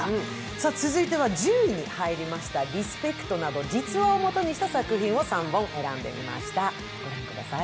続いては１０位に入りました「リスペクト」など実話を基にした作品を３本選んでみました、御覧ください。